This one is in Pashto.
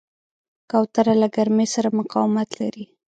کوتره له ګرمۍ سره مقاومت لري.